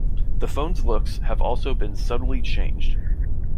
The phone's looks have also been subtly changed.